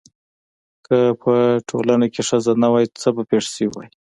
که په ټولنه کې ښځه نه وای څه به پېښ شوي واي؟